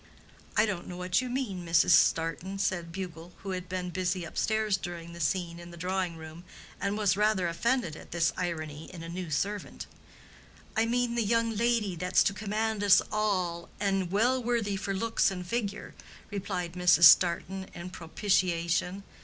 "I don't know what you mean, Mrs. Startin," said Bugle, who had been busy up stairs during the scene in the drawing room, and was rather offended at this irony in a new servant. "I mean the young lady that's to command us all—and well worthy for looks and figure," replied Mrs. Startin in propitiation.